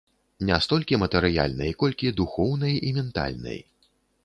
Не столькі матэрыяльнай, колькі духоўнай і ментальнай.